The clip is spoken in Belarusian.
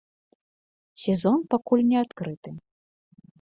Сезон пакуль не адкрыты.